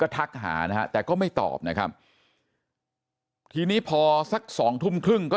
ทักหานะฮะแต่ก็ไม่ตอบนะครับทีนี้พอสักสองทุ่มครึ่งก็